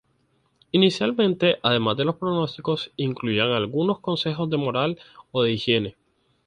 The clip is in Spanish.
Inicialmente, además de los pronósticos, incluían algunos consejos de moral o de higiene.